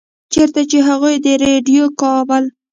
چرته چې هغوي د ريډيؤ کابل